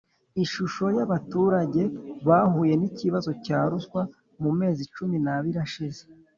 Ishusho y’abaturage bahuye n’ikibazo cya ruswa mu mezi cumi n’abiri ashize